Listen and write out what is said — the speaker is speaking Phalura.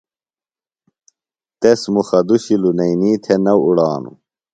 تس مُخہ دُشیۡ لنئینیۡ تھےۡ نہ اُڑانوۡ۔